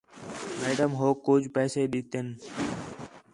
میڈم ہوک کُج پیسے ݙِتِن